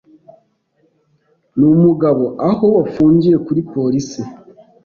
n’umugabo aho bafungiye kuri polisi.